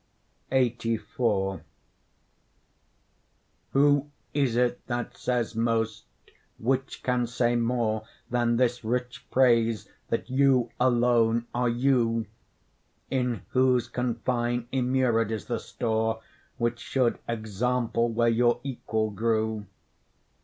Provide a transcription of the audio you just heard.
LXXXIV Who is it that says most, which can say more, Than this rich praise: that you alone are you, In whose confine immured is the store Which should example where your equal grew.